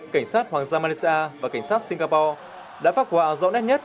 cảnh sát hoàng gia malaysia và cảnh sát singapore đã phát quả rõ ràng nhất